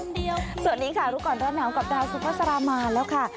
สวัสดีค่ะรู้ก่อนร้อนหนาวกับดาวสุภาษามาแล้วค่ะ